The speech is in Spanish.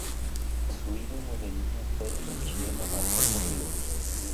Su ídolo de niño fue el chileno Marcelo Ríos.